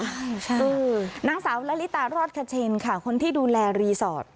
ใช่นางสาวละลิตารอดคเชนค่ะคนที่ดูแลรีสอร์ท